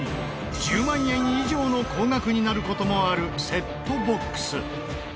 １０万円以上の高額になる事もあるセットボックス。